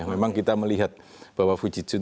memang kita melihat bapak fujitsu